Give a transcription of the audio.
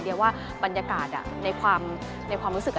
เดี๋ยวว่าบรรยากาศในความรู้สึก